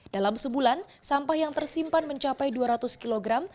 dalam sebulan sampah yang tersimpan mencapai dua ratus kilogram